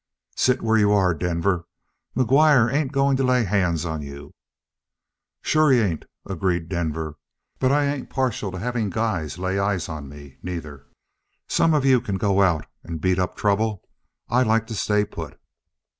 "Sit where you are, Denver. McGuire ain't going to lay hands on you." "Sure he ain't," agreed Denver. "But I ain't partial to having guys lay eyes on me, neither. Some of you can go out and beat up trouble. I like to stay put."